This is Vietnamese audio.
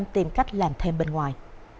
ba mươi bảy tìm cách làm thêm bên ngoài